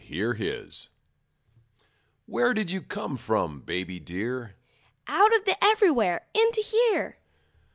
Y Z The Baby WHERE did you come from baby dear? Out of the everywhere into here.